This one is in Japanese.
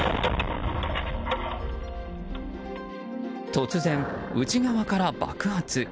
突然、内側から爆発。